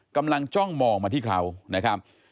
กำลังจ้องมองมาที่เขานะครับ